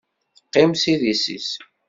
Teqqim s idis-is.